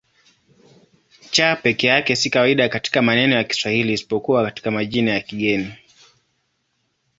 C peke yake si kawaida katika maneno ya Kiswahili isipokuwa katika majina ya kigeni.